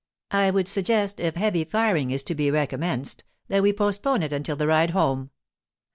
I would suggest, if heavy firing is to be recommenced, that we postpone it until the ride home.